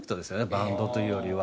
バンドというよりは。